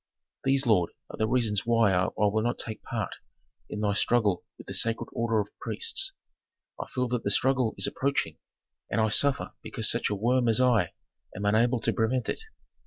"These, lord, are the reasons why I will not take part in thy struggle with the sacred order of priests. I feel that the struggle is approaching, and I suffer because such a worm as I am unable to prevent it.